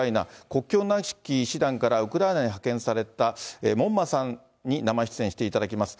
国境なき医師団からウクライナに派遣された、門馬さんに生出演していただきます。